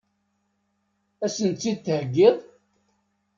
Ad sent-tt-id-theggiḍ?